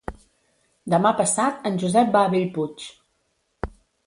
Demà passat en Josep va a Bellpuig.